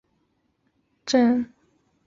海梅尔廷根是德国巴伐利亚州的一个市镇。